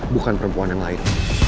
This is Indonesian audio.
bukan perempuan yang lain